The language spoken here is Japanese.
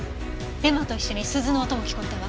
絵馬と一緒に鈴の音も聞こえたわ。